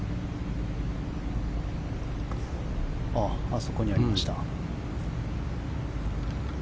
あそこにありました。